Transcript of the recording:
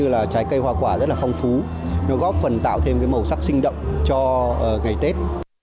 là trái cây hoa quả rất là phong phú nó góp phần tạo thêm cái màu sắc sinh động cho ngày tết